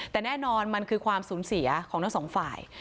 แต่แน่นอนมันคือความสูญเสียของทั้งสองฝ่าย